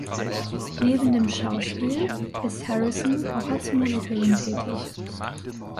Neben dem Schauspiel ist Harrison auch als Musikerin tätig.